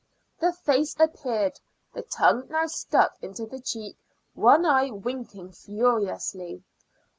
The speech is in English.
The face appeared, the tongue now stuck into the cheek, one eye winking furiously.